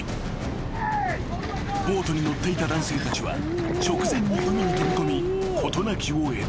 ［ボートに乗っていた男性たちは直前に海に飛び込み事なきを得た］